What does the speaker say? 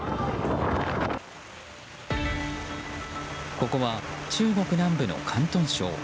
ここは中国南部の広東省。